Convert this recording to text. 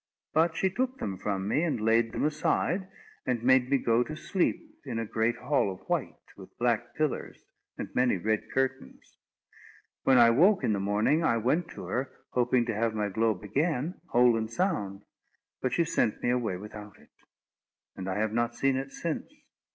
But she took them from me, and laid them aside; and made me go to sleep in a great hall of white, with black pillars, and many red curtains. When I woke in the morning, I went to her, hoping to have my globe again, whole and sound; but she sent me away without it, and I have not seen it since.